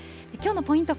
きょうのポイント